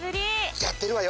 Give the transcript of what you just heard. やってるわよ